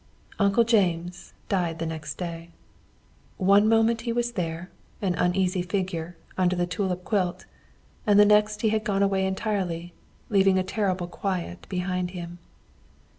Uncle James died the next day. One moment he was there, an uneasy figure, under the tulip quilt, and the next he had gone away entirely, leaving a terrible quiet behind him.